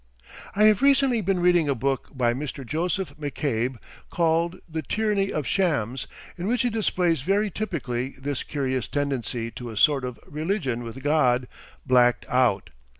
I have recently been reading a book by Mr. Joseph McCabe called "The Tyranny of Shams," in which he displays very typically this curious tendency to a sort of religion with God "blacked out."